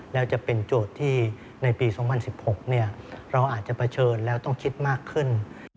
แล้วจะเป็นโจทย์ที่ในปี๒๐๑๖เราอาจจะเผชิญแล้วต้องคิดมากขึ้น